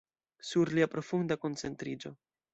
Sur lia profunda koncentriĝo.